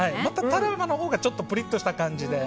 タラバのほうがちょっとプリッとした感じで。